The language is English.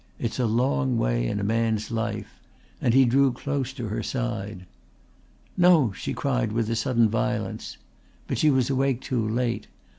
"It's a long way in a man's life," and he drew close to her side. "No!" she cried with a sudden violence. But she was awake too late.